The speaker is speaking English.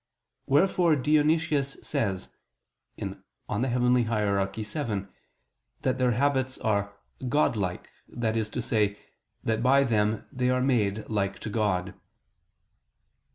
Wherefore Dionysius says (Coel. Hier. vii) that their habits are "godlike," that is to say, that by them they are made like to God.